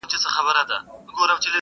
• يو او بل ته په خبرو په كيسو سو -